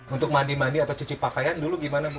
untuk mandi mandi atau cuci pakaian dulu gimana bu